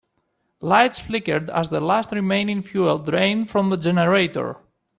Lights flickered as the last remaining fuel drained from the generator.